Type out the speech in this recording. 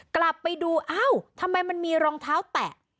กลับไปดูอ้าวทำไมมันมีรองเท้าแตะ